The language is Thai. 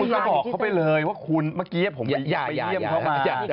รับบอกเขาไปเลยว่ามากี้ผมเป็นยาเลี่ยมเขามา